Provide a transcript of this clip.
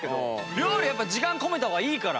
料理はやっぱ時間かけた方がいいから。